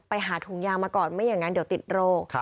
ไปหาถุงยางมาก่อนไม่อย่างนั้นเดี๋ยวติดโรค